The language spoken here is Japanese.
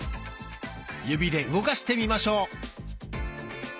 指で動かしてみましょう。